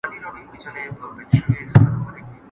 اور د هغو خلګو سزا ده چي په ناحقه مال خوري.